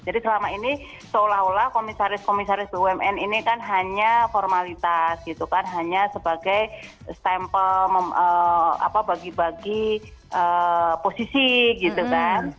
jadi selama ini seolah olah komisaris komisaris bumn ini kan hanya formalitas gitu kan hanya sebagai stempel bagi bagi posisi gitu kan